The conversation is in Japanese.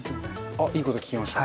あっいいこと聞きました。